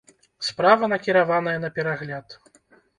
Справа накіраваная на перагляд.